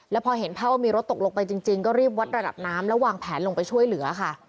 แล้วพอเห็นภาพว่ามีรถตกลงไปจริงก็รีบวัดระดับน้ำแล้ววางแผนลงไปช่วยเหลือค่ะ